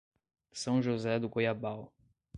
São José do Goiabal